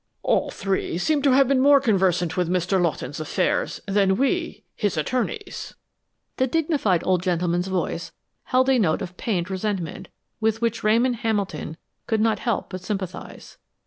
All three seem to have been more conversant with Mr. Lawton's affairs than we, his attorneys." The dignified old gentleman's voice held a note of pained resentment, with which Ramon Hamilton could not help but sympathize.